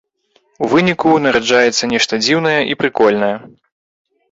У выніку нараджаецца нешта дзіўная і прыкольная.